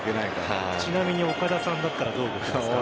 ちなみに岡田さんだったらどう動きますか？